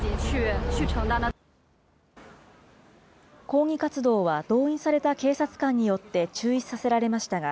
抗議活動は動員された警察官によって中止させられましたが、